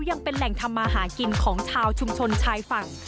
ยังเป็นแหล่งทำมาหากินของชาวชุมชนชายฝั่ง